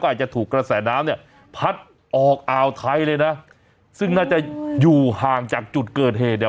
อาจจะถูกกระแสน้ำเนี่ยพัดออกอ่าวไทยเลยนะซึ่งน่าจะอยู่ห่างจากจุดเกิดเหตุเนี่ย